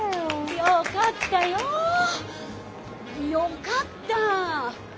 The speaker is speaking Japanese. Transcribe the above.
よかったよ！